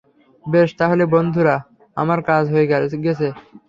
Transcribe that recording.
বেশ তাহলে, বন্ধুরা, আমার কাজ হয়ে গেছে।